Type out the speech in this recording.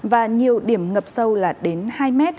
và nhiều điểm ngập sâu là đến hai m